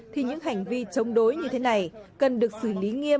thì những hành vi chống đối như thế này cần được xử lý nghiêm